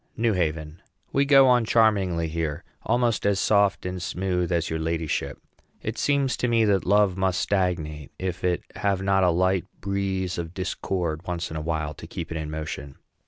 NEW HAVEN. We go on charmingly here, almost as soft and smooth as your ladyship. It seems to me that love must stagnate if it have not a light breeze of discord once in a while to keep it in motion.